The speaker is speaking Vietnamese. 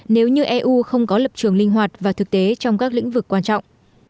nếu như eu không có lập trường linh hoạt và thực tế trong các lĩnh vực quan trọng